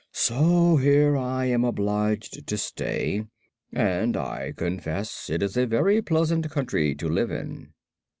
So here I am obliged to stay, and I confess it is a very pleasant country to live in."